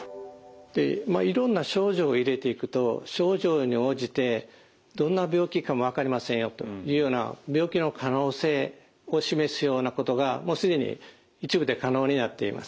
いろんな症状を入れていくと症状に応じてどんな病気かも分かりませんよというような病気の可能性を示すようなことがもう既に一部で可能になっています。